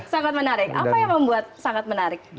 sangat menarik apa yang membuat sangat menarik